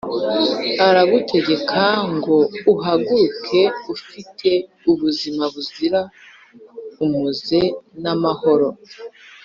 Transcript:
” Aragutegeka ngo uhaguruke ufite ubuzima buzira umuze n’amahoro.